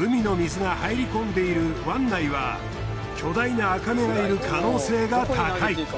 海の水が入り込んでいる湾内は巨大なアカメがいる可能性が高い。